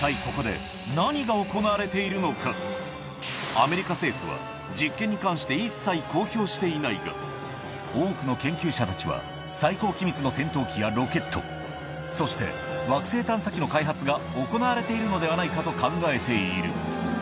アメリカ政府は実験に関して一切公表していないが多くの研究者たちは最高機密の戦闘機やロケットそして惑星探査機の開発が行われているのではないかと考えているエリア５２の上空では。